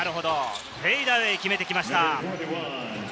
フェイダウェイ、決めてきました。